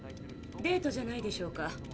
デートじゃないでしょうか。